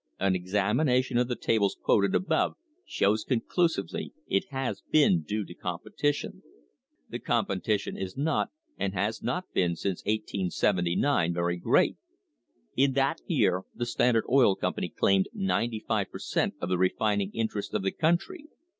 an examination of the tables quoted above shows conclusively it has been due to competition. The competition is not, and has not been since 1879, very great. In that year the Standard Oil Company claimed ninety five per cent, of the refining interests of the country.